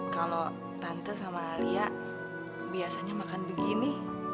kalau tante sama alia biasanya makan begini